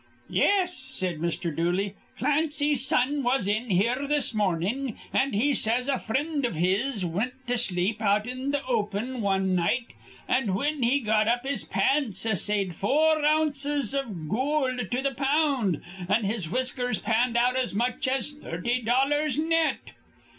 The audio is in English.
"Yes," said Mr. Dooley, "Clancy's son was in here this mornin', an' he says a frind iv his wint to sleep out in th' open wan night, an' whin he got up his pants assayed four ounces iv goold to th' pound, an' his whiskers panned out as much as thirty dollars net."